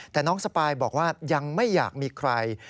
แต่น้องสปายบอกว่ายังไม่อยากมีใคร